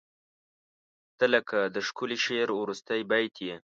• ته لکه د ښکلي شعر وروستی بیت یې.